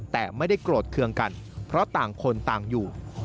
แต่ไม่ได้โกรธเครื่องกันเพราะต่างคนต่างอยู่